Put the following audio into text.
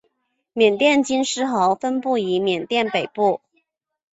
缅甸金丝猴分布于缅甸北部。